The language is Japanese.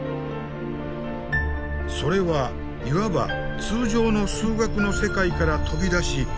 それはいわば通常の数学の世界から飛び出し